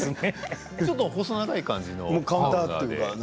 ちょっと細長い感じの。